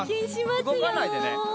うごかないでね。